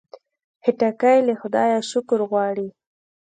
خټکی له خدایه شکر غواړي.